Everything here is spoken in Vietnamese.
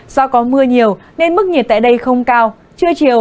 do có mưa nhiều nên mức nhiệt tại đây không cao trưa chiều